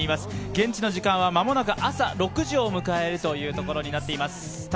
現地の時間は間もなく朝６時を迎えるところとなっています。